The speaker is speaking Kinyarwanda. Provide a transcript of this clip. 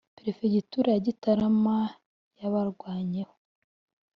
perefegitura ya gitarama yabarwanyeho